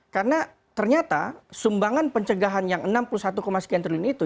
karena ternyata sumbangan pencegahan yang enam puluh satu sekian triliun itu